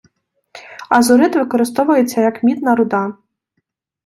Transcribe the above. Азурит використовується як мідна руда